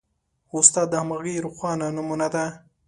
استاد د همغږۍ روښانه نمونه ده.